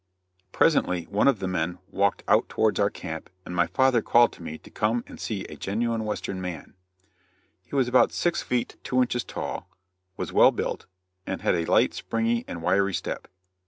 Presently one of the men walked out towards our camp, and my father called to me to come and see a genuine Western man; he was about six feet two inches tall, was well built, and had a light, springy and wiry step.